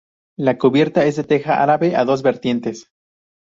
La cubierta es de teja árabe a dos vertientes.